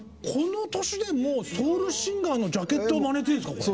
この年でもうソウルシンガーのジャケットをまねてるんですか？